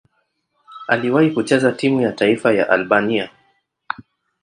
Aliwahi kucheza timu ya taifa ya Albania.